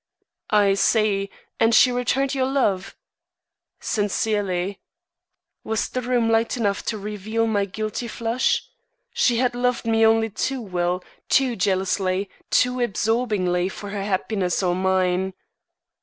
"I see, and she returned your love?" "Sincerely." Was the room light enough to reveal my guilty flush? She had loved me only too well, too jealously, too absorbingly for her happiness or mine.